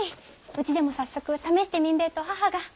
うちでも早速試してみんべぇと母が。